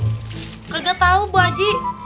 nggak tahu bu haji